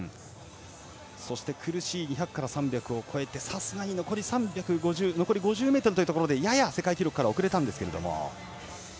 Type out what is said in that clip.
そして苦しい２００から３００を超えてさすがに残り５０ｍというところでやや世界記録から遅れたんですが。